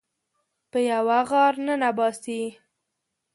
په یوه غار ننه باسي